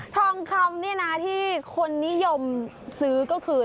ทองคำนี่นะที่คนนิยมซื้อก็คือ